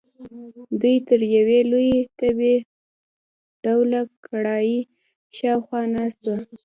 دوی تر یوې لویې تبۍ ډوله کړایۍ شاخوا ناست وو.